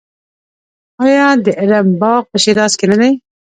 آیا د ارم باغ په شیراز کې نه دی؟